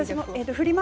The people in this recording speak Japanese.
フリマ